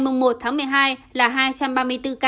ngày một một mươi hai là hai trăm ba mươi bốn ca